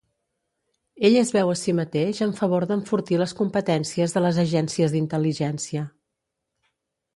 Ell es veu a si mateix en favor d"enfortir les competències de las agències d"intel·ligència.